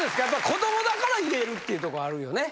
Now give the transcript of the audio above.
子供だから言えるっていうとこあるよね。